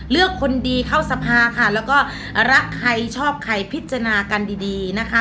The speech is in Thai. เลือกคนดีเข้าสภาค่ะแล้วก็รักใครชอบใครพิจารณากันดีดีนะคะ